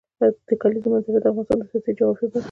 د کلیزو منظره د افغانستان د سیاسي جغرافیه برخه ده.